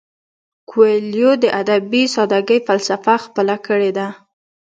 کویلیو د ادبي ساده ګۍ فلسفه خپله کړې ده.